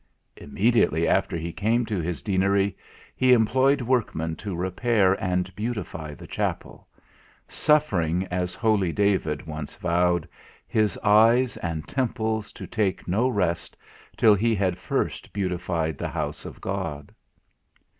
Immediately after he came to his Deanery, he employed workmen to repair and beautify the Chapel; suffering as holy David once vowed, "his eyes and temples to take no rest till he had first beautified the house of God."